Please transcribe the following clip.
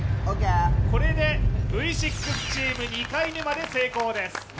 これでＶ６チーム、２回目まで成功です。